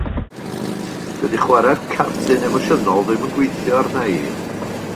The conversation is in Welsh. Dydy chware'r cardyn emosiynol ddim yn gweithio arna' i.